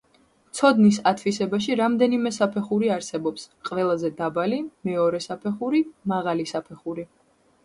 ცოდნის ათვისებაში რამდენიმე საფეხური არსებობს: ყველაზე დაბალი, მეორე საფეხური, მაღალი საფეხური.